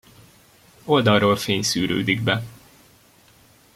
Oldalról fény szűrődik be.